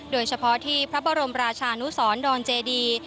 โดยเฉพาะที่พระบรมราชานุสรดอนเจดี